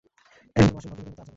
একদম আসল ভদ্রলোকের মতো আচরণ!